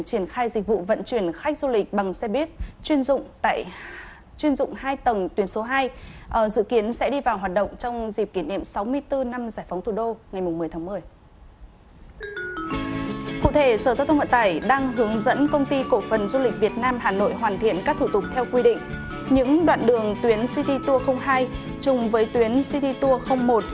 triển khai dịch vụ vận chuyển khách du lịch bằng xe bus chuyên dụng hai tầng tuyến số hai